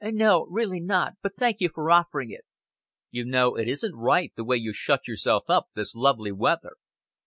"No, really not but thank you for offering it." "You know, it isn't right the way you shut yourself up this lovely weather."